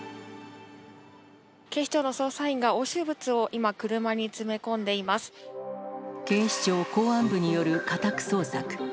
警視庁の捜査員が押収物を今、警視庁公安部による家宅捜索。